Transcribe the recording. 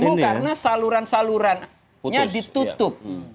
dulu itu demo karena saluran salurannya ditutup